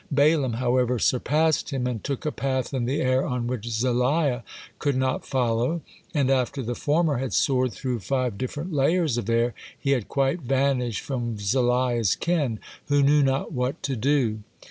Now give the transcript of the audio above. Balaam, however, surpassed him, and took a path in the air on which Zaliah could not follow, and after the former had soared through five different layers of air, he had quite vanished from Zaliah's ken, who knew not what to do.